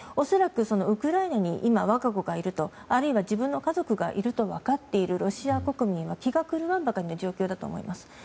恐らく、ウクライナに今、我が子がいるあるいは自分の家族がいると分かっているロシア国民は気が狂うような状況だと思います。